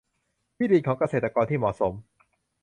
ที่ดินของเกษตรกรที่เหมาะสม